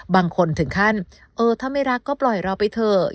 บางคนถึงขั้นเออถ้าไม่รักก็ปล่อยเราไปเถอะ